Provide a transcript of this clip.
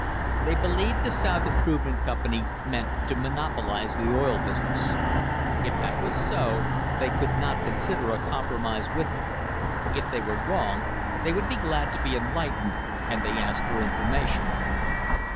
They believed the South Improve ment Company meant to monopolise the oil business. If that THE OIL WAR OF 1872 was so they could not consider a compromise with it. If tjhey were wrong, they would be glad to be enlightened, and they asked for information.